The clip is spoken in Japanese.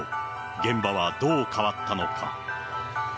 現場はどう変わったのか。